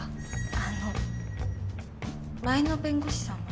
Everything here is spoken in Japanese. あの前の弁護士さんは？